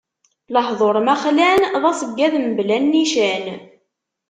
Lehduṛ ma xlan, d aṣeggad mebla nnican.